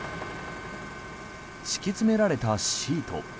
敷き詰められたシート。